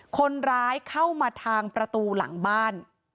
คนร้ายเข้ามาทางประตูหลังบ้าน